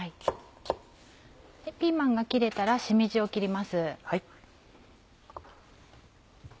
ピーマンが切れたらしめじを切ります。